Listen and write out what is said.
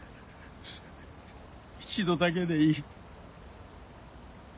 一度だけでいい。